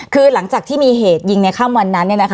คือหลังจากที่มีเหตุยิงในค่ำวันนั้น